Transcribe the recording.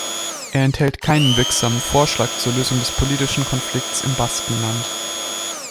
Er enthält keinen wirksamen Vorschlag zur Lösung des politischen Konflikts im Baskenland.